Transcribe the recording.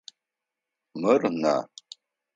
Мыр нэ.